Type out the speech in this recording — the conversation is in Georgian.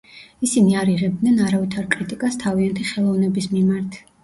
ისინი არ იღებდნენ არავითარ კრიტიკას თავიანთი ხელოვნების მიმართ.